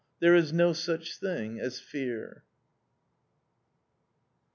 There is no such thing as fear!"